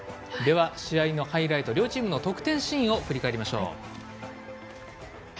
試合のハイライト両チームの得点シーンを振り返りましょう。